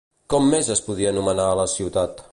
Com més es podia anomenar a la ciutat?